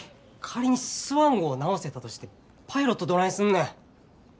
仮にスワン号を直せたとしてパイロットどないすんねん。